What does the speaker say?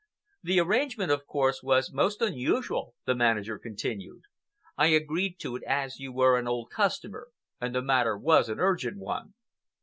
"The arrangement, of course, was most unusual," the manager continued. "I agreed to it as you were an old customer and the matter was an urgent one."